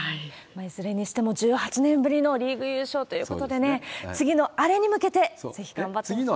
いずれにしても１８年ぶりのリーグ優勝ということでね、次のアレに向けて、ぜひ頑張ってほしいですね。